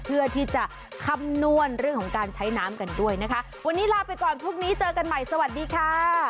เพื่อที่จะคำนวณเรื่องของการใช้น้ำกันด้วยนะคะวันนี้ลาไปก่อนพรุ่งนี้เจอกันใหม่สวัสดีค่ะ